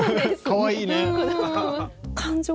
かわいいね。